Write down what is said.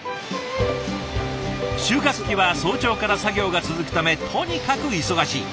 収穫期は早朝から作業が続くためとにかく忙しい。